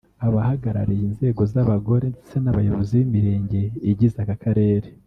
abahagarariye inzego z’abagore ndetse n’abayobozi b’imirenge igize aka Karere